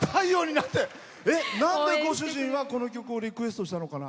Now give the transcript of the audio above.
なんでご主人はこの曲をリクエストしたのかな？